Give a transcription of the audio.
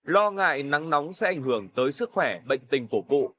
lo ngại nắng nóng sẽ ảnh hưởng tới sức khỏe bệnh tình của cụ